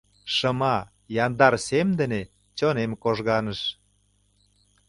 Шыма, яндар сем дене Чонем кожганыш.